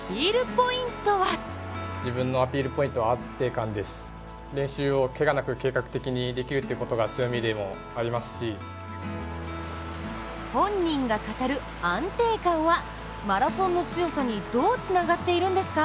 ポイントは本人が語る安定感は、マラソンの強さにどうつながっているんですか？